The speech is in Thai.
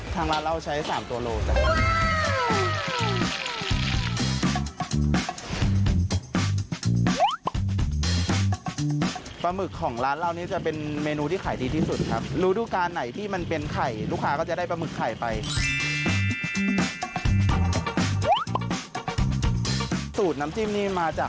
ทางร้านเราใช้๓ตัวโลจ้ะ